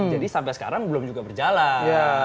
jadi sampai sekarang belum juga berjalan